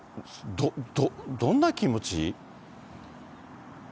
どんな気持ち？